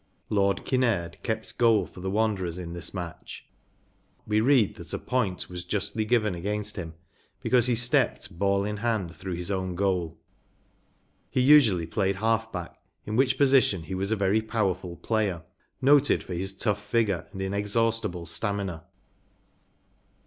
Lord Kinnaird kept goal for the Wanderers in this match ; we read that a point was justly given against him because he stepped, ball in hand, through his own goal. He usually played half back, in which position he was a very powerful player, noted for his tough vigour and inexhaustible stamina.